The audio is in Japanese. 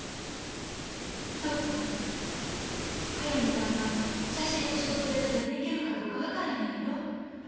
一つは速水さんが写真の仕事で食べていけるかどうか分からへんやろ。